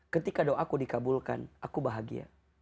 ketika doaku dikabulkan aku bahagia